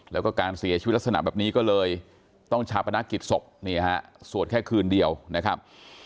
แล้วก็การเสียชีวิตลักษณะแบบนี้ก็เลยต้องชาปนกิจศพนี่ฮะสวดแค่คืนเดียวนะครับ